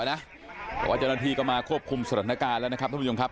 แต่ว่าเจ้าหน้าที่ก็มาควบคุมสถานการณ์แล้วนะครับท่านผู้ชมครับ